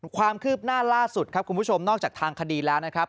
ความคืบหน้าล่าสุดครับคุณผู้ชมนอกจากทางคดีแล้วนะครับ